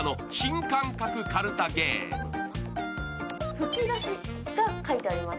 ふきだしが書いてあります。